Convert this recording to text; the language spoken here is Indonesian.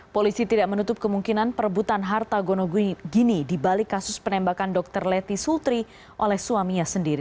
polisi tidak menutup kemungkinan perebutan harta gonogi gini dibalik kasus penembakan dr leti sultri oleh suaminya sendiri